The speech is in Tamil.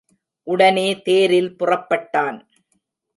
உடனே தேரில் புறப்பட்டான்.